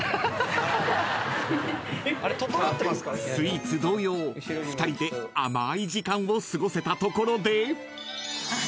［スイーツ同様２人で甘い時間を過ごせたところで］